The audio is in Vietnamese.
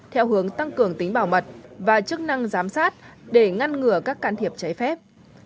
theo hướng tăng cường tính bảo mật và chức năng giám sát để ngăn ngừa các can thiệp cháy phép